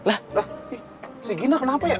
lah si gina kenapa ya